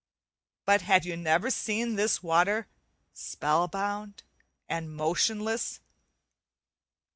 But have you never seen this water spell bound and motionless?